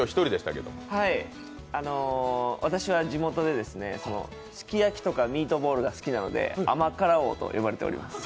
私は地元ですき焼きとかミートボールが好きなので甘辛王と呼ばれております。